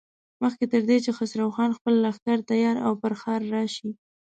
مخکې تر دې چې خسرو خان خپل لښکر تيار او پر ښار راشي.